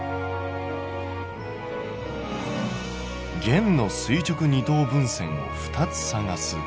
「弦の垂直二等分線を２つ探す」。